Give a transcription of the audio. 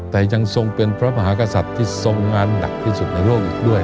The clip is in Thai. แต่ยังทรงเป็นพระมหากษัตริย์ที่ทรงงานหนักที่สุดในโลกอีกด้วย